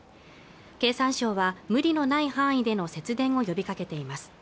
経産省は無理のない範囲での節電を呼びかけています